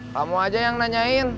kamu aja yang nanyain